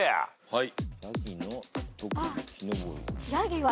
はい。